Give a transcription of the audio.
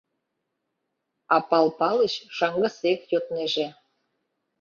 А Пал Палыч шаҥгысек йоднеже: